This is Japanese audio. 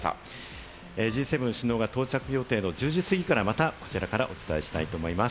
Ｇ７首脳が到着予定の１０時過ぎからまたこちらからお伝えしたいと思います。